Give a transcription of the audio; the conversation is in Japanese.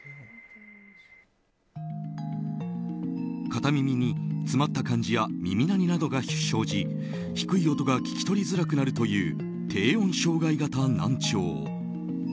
片耳に詰まった感じや耳鳴りなどが生じ低い音が聞き取りづらくなるという低音障害型難聴。